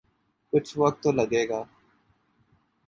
کچھ وقت تو لگے گا۔